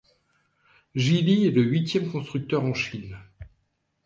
Geely est le huitième constructeur en Chine.